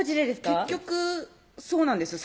結局そうなんですよ